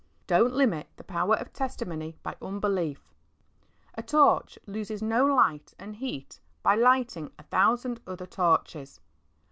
Don't limit the power of testimony by unbelief. A torch loses no light and heat by lighting a thousand other torches.